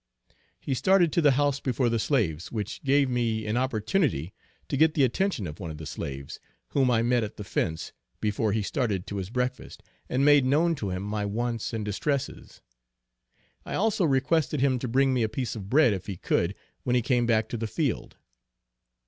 He started to the house before the slaves, which gave me an opportunity to get the attention of one of the slaves, whom I met at the fence, before he started to his breakfast, and made known to him my wants and distresses. I also requested him to bring me a piece of bread if he could when he came back to the field.